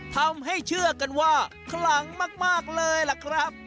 ทำให้เชื่อกันว่าคลังมากเลยล่ะครับ